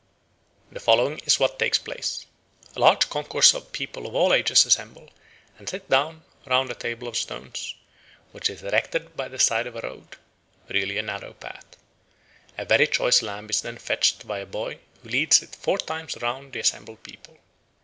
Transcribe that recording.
The following is what takes place: A large concourse of people of all ages assemble, and sit down round a circle of stones, which is erected by the side of a road (really a narrow path). A very choice lamb is then fetched by a boy, who leads it four times round the assembled people.